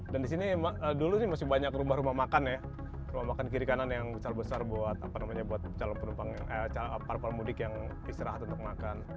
dan di sini dulu masih banyak rumah rumah makan ya rumah makan kiri kanan yang besar besar buat para pelanggan mudik yang istirahat untuk makan